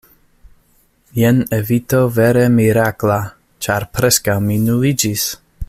“Jen evito vere mirakla! Ĉar preskaŭ mi nuliĝis!”